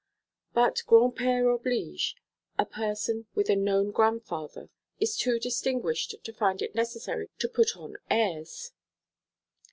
But grandpère oblige; a person with a known grandfather is too distinguished to find it necessary to put on airs.